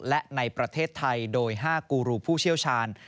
และในประเทศไทยโดย๕กูรูผู้เชี่ยวชาญ